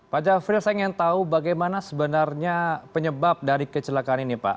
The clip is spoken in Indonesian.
pak jafril saya ingin tahu bagaimana sebenarnya penyebab dari kecelakaan ini pak